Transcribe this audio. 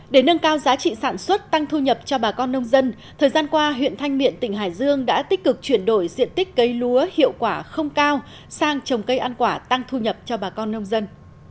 để nâng cao giá trị sản xuất tăng thu nhập cho bà con nông dân thời gian qua huyện thanh miện tỉnh hải dương đã tích cực chuyển đổi diện tích cây lúa hiệu quả không cao sang trồng cây ăn quả tăng thu nhập cho bà con nông dân